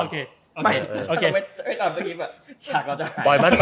เราต้องหักด้านก่อน